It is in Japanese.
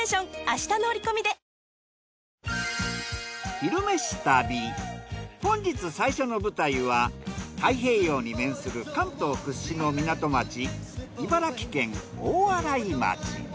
「昼めし旅」本日最初の舞台は太平洋に面する関東屈指の港町茨城県大洗町。